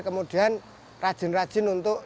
kemudian rajin rajin untuk